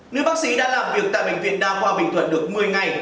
nữ bác sĩ đã làm việc tại bệnh viện đa khoa bình thuận được một mươi ngày